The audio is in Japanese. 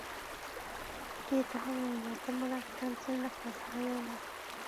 糸が切れた凧のようにあてもなく、団地の中をさまよい歩いた